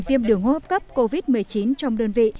viêm đường hô hấp cấp covid một mươi chín trong đơn vị